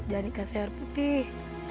jangan dikasih air putih